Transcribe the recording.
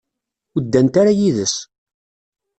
Ur ddant ara yid-s.